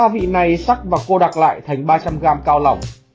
ba vị này sắc và cô đặc lại thành ba trăm linh g cao lỏng